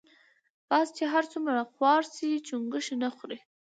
باز چی هر څومره خوار شی چونګښی نه خوري .